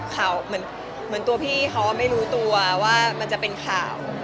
คือแบบข่าวเหมือนว่ามันจะเป็นข่าว